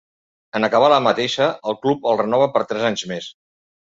En acabar la mateixa, el club el renova per tres anys més.